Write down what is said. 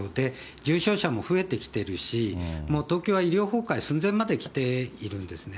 重症者も増えてきているし、東京は医療崩壊寸前まで来ているんですね。